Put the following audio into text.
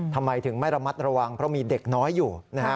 ทำไมถึงไม่ระมัดระวังเพราะมีเด็กน้อยอยู่นะฮะ